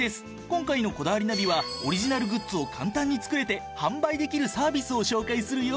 今回の『こだわりナビ』はオリジナルグッズを簡単に作れて販売できるサービスを紹介するよ。